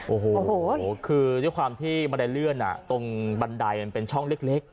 โอ้โหคือด้วยความที่บันไดเลื่อนตรงบันไดมันเป็นช่องเล็ก